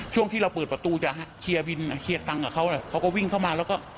ใช่ค่ะ